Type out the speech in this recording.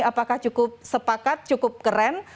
apakah cukup sepakat cukup keren